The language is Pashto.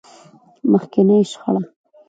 مخکينۍ شخړه.